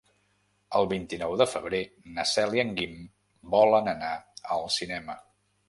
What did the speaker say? El vint-i-nou de febrer na Cel i en Guim volen anar al cinema.